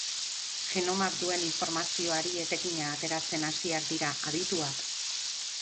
Genomak duen informazioari etekina ateratzen hasiak dira adituak.